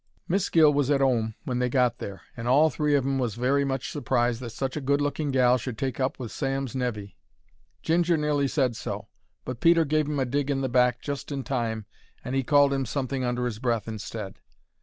Miss Gill was at 'ome when they got there, and all three of 'em was very much surprised that such a good looking gal should take up with Sam's nevy. Ginger nearly said so, but Peter gave 'im a dig in the back just in time and 'e called him something under 'is breath instead.